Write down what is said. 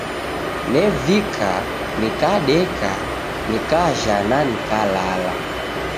Nevika, nikadeka, nikajha na nikalala.